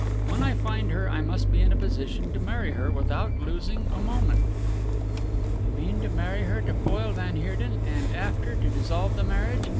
When I find her I must be in a position to marry her without losing a moment." "You mean to marry her to foil van Heerden, and after to dissolve the marriage?"